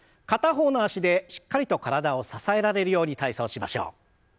片方の脚でしっかりと体を支えられるように体操しましょう。